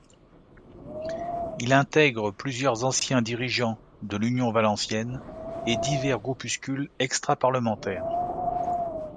Il intègre plusieurs anciens dirigeants de l'Union valencienne et divers groupuscules extraparlementaires.